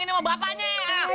ini mah bapaknya ya